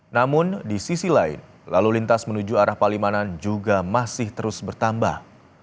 namun di sisi lain lalu lintas menuju arah palimanan juga masih terus bertambah